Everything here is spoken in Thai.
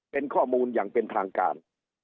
เป็นข้อมูลอย่างเป็นทางการ